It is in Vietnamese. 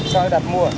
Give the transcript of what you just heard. sao em đặt mua